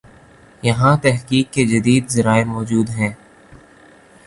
یہاںتحقیق کے جدید ذرائع موجود ہیں۔